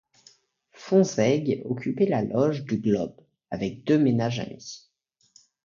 Fonsègue occupait la loge du Globe, avec deux ménages amis.